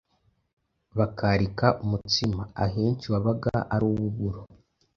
bakarika umutsima, ahenshi wabaga ari uw’uburo.